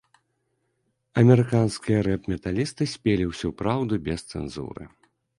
Амерыканскія рэп-металісты спелі ўсю праўду без цэнзуры.